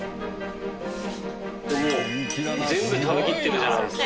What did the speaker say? もう全部食べきってるじゃないですか。